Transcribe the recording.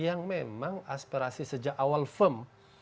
yang memang aspirasi sejak awal firm